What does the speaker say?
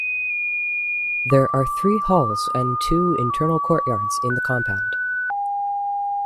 There are three halls and two internal courtyards in the compound.